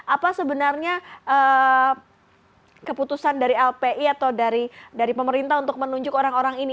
apa sebenarnya keputusan dari lpi atau dari pemerintah untuk menunjuk orang orang ini